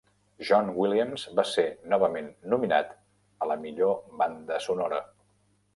John Williams va ser novament nominat a la millor banda sonora.